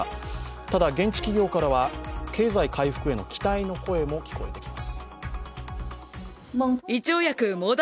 ただ現地企業からは経済回復への期待の声も聞こえてきます。